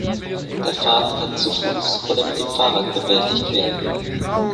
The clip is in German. Der Pfad kann zu Fuß oder mit dem Fahrrad bewältigt werden.